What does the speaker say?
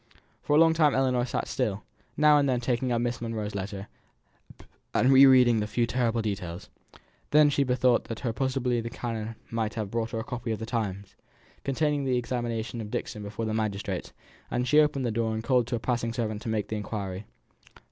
For a long time Ellinor sat still; now and then taking up Miss Monro's letter, and re reading the few terrible details. Then she bethought her that possibly the canon might have brought a copy of the Times, containing the examination of Dixon before the magistrates, and she opened the door and called to a passing servant to make the inquiry.